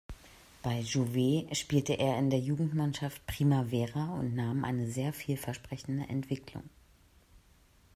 Bei "Juve" spielte er in der Jugendmannschaft "Primavera" und nahm eine sehr vielversprechende Entwicklung.